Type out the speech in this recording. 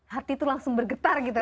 hati itu langsung bergetar gitu